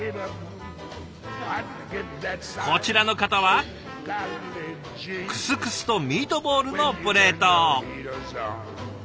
こちらの方はクスクスとミートボールのプレート。